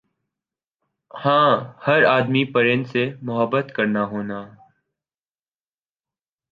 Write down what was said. ہاں ہَر آدمی پرند سے محبت کرنا ہونا